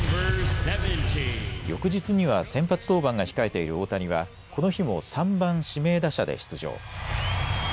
翌日には先発登板が控えている大谷はこの日も３番・指名打者で出場。